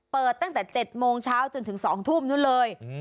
เปิดตั้งแต่๗โมงเช้าจนถึง๒ทุ่มนู้นเลย